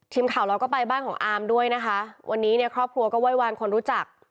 ทีมข่าวเราก็ไปบ้านของอามด้วยนะคะวันนี้เนี่ยครอบครัวก็ไหว้วานคนรู้จัก